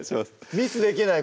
ミスできない